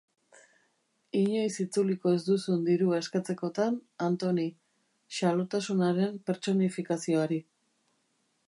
Inoiz itzuliko ez duzun dirua eskatzekotan, Antoni, xalotasunaren pertsonifikazioari.